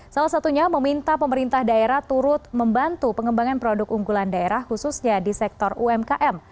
salah satunya meminta pemerintah daerah turut membantu pengembangan produk unggulan daerah khususnya di sektor umkm